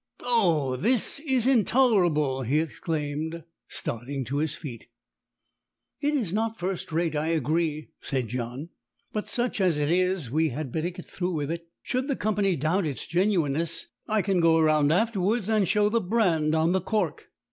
"Oh, this is intolerable!" he exclaimed, starting to his feet. "It is not first rate, I agree," said John, "but, such as it is, we had better go through with it. Should the company doubt its genuineness, I can go around afterwards and show the brand on the cork."